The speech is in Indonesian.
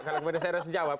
kalau kepada saya harus jawab